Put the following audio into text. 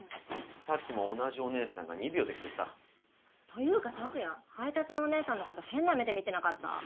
さっきも同じお姉さんが２秒で来てさ。というかタクヤ配達のお姉さんのこと変な目で見てなかった？